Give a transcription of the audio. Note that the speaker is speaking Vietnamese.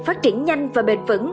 phát triển nhanh và bền vững